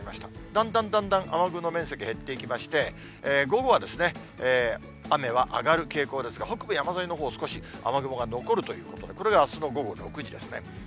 だんだんだんだん雨雲の面積が減っていきまして、午後は雨は上がる傾向ですが、北部山沿いのほう、少し雨雲が残るということで、これがあすの午後６時ですね。